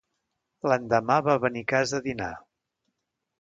L'endemà va venir a casa a dinar.